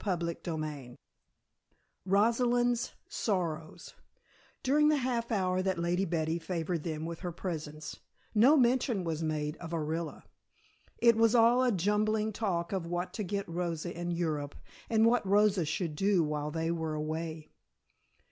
CHAPTER VIII ROSALIND'S SORROWS During the half hour that Lady Betty favored them with her presence, no mention was made of Orilla. It was all a jumbling talk of what to get Rosa in Europe, and what Rosa should do while they were away.